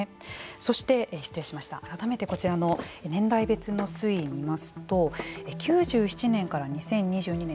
そして、改めてこちらの年代別の推移を見ますと９７年から２０２２年